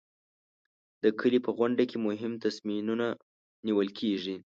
د کلي په غونډه کې مهم تصمیمونه نیول کېږي.